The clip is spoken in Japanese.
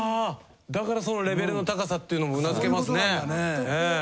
だからそのレベルの高さっていうのもうなずけますね。